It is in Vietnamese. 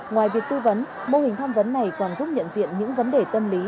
ngoài việc tư vấn mô hình tham vấn này còn giúp nhận diện những vấn đề tâm lý